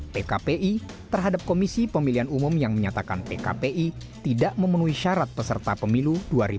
pkpi terhadap komisi pemilihan umum yang menyatakan pkpi tidak memenuhi syarat peserta pemilu dua ribu dua puluh